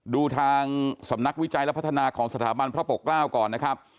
ดูทางสำนักวิจัยและพัฒนาของสถาบันพระปกเกล้าก่อนนะครับ